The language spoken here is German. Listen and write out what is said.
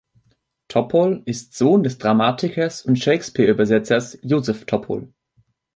Topol ist Sohn des Dramatikers und Shakespeare-Übersetzers Josef Topol.